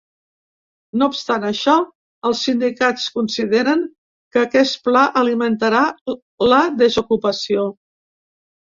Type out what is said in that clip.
No obstant això, els sindicats consideren que aquest pla alimentarà la desocupació.